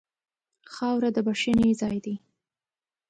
خاوره د بښنې ځای ده.